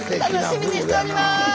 楽しみにしております。